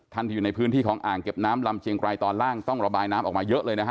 ที่อยู่ในพื้นที่ของอ่างเก็บน้ำลำเชียงไกรตอนล่างต้องระบายน้ำออกมาเยอะเลยนะฮะ